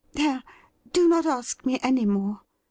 There, do not ask me any more.